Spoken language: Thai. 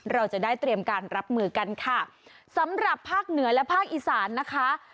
เราจะได้เตรียมการรับมือกันค่ะสำหรับภาคเหนือและภาคอีสานนะคะ